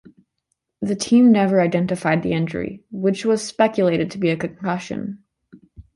The team never identified the injury, which was speculated to be a concussion.